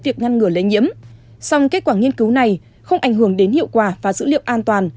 việc ngăn ngừa lây nhiễm song kết quả nghiên cứu này không ảnh hưởng đến hiệu quả và dữ liệu an toàn